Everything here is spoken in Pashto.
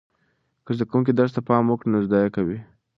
که زده کوونکي درس ته پام وکړي نو زده یې کوي.